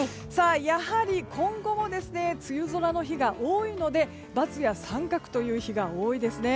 やはり今後も梅雨空の日が多いのでバツや三角という日が多いですね。